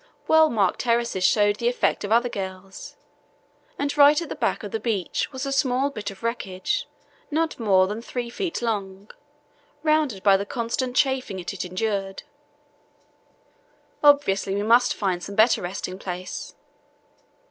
Well marked terraces showed the effect of other gales, and right at the back of the beach was a small bit of wreckage not more than three feet long, rounded by the constant chafing it had endured. Obviously we must find some better resting place.